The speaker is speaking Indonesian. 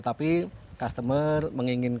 jadi teman kecil ini